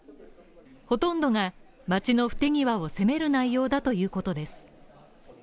ほとんどが町の不手際を責める内容だということです。